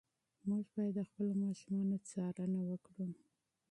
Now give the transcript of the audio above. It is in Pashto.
موږ باید د خپلو ماشومانو څارنه وکړو.